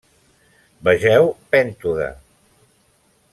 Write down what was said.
Vegeu pèntode.